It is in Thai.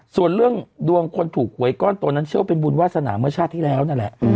ส่วนเรื่องดวงคนถูกหวยก้อนตัวนั้นเชื่อว่าเป็นบุญวาสนาเมื่อชาติที่แล้วนั่นแหละ